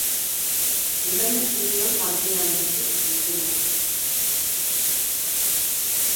இளஞ்சிங்கம் மதயானைக்கு அஞ்சுமா?